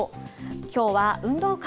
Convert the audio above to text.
きょうは運動会！